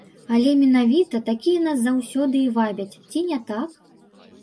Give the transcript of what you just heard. Але менавіта такія нас заўсёды і вабяць, ці не так?